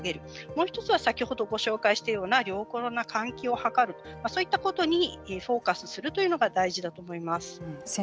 もう一つは先ほどご紹介したような良好な環境を図るそういったことにフォーカスするというのが大事だと思います。